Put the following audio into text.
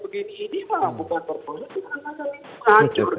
bahwa bukan proses